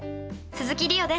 鈴木梨予です。